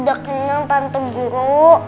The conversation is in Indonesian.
itu dengan tentu